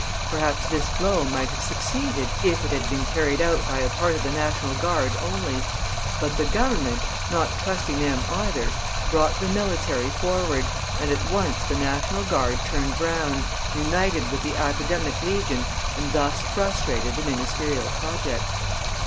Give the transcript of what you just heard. Perhaps this blow might have succeeded, if it had been carried out by a part of the National Guard only, but the Government, not trusting them either, brought the military forward, and at once the National Guard turned round, united with the Academic Legion, and thus frustrated the ministerial project.